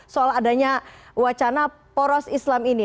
soal adanya wacana poros islam ini